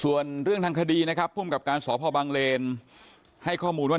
ส่วนเรื่องทางคดีนะครับภูมิกับการสพบังเลนให้ข้อมูลว่า